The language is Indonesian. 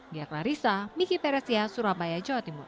diaklar risa miki peresia surabaya jawa timur